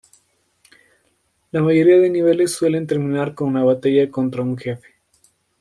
La mayoría de niveles suelen terminar con una batalla contra un jefe.